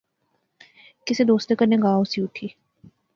کسے دوستے کنے گا ہوسی اٹھی